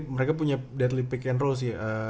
mereka punya deadly pick and roll sih